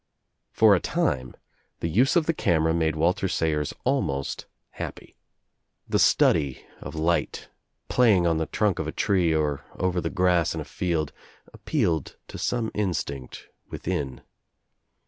For a time the use of the camera made Waltei Sayers almost happy. The study of light, playing on the trunk of a tree or over the grass in a field appealei to some instinct within.